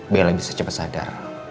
bella bisa cepat sadar